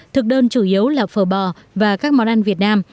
thực đơn chủ yếu là phở bò và các món ăn việt nam